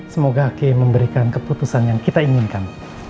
semoga hakim memberikan keputusan yang kita inginkan